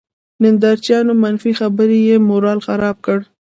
نندارچيانو، منفي خبرې یې مورال خراب کړ.